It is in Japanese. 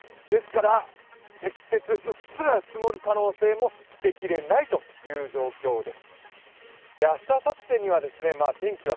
ですから積雪うっすら積もる可能性も捨て切れないという状況です。